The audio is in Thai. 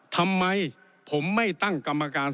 ทำไมผมไม่ตั้งกรรมการ